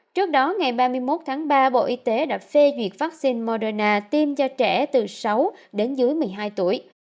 trước đó ngày ba mươi một tháng ba bộ y tế đã phê duyệt vaccine moderna tiêm cho trẻ từ sáu đến dưới một mươi hai tuổi